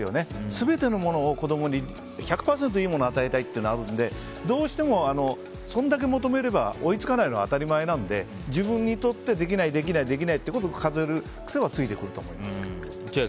全てのものを子供に１００％いいものを与えたいのがあるのでどうしても、それだけ求めれば追いつかないのは当たり前なので自分にとってできないことを数える癖がついてくると思います。